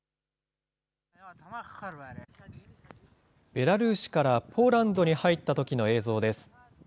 ベラルーシからポーランドに入ったときの映像です。